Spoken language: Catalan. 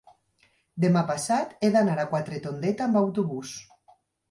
Demà passat he d'anar a Quatretondeta amb autobús.